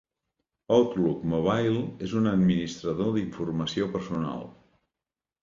Outlook Mobile és un administrador d'informació personal.